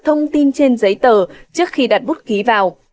thông tin trên giấy tờ trước khi đặt bút ký vào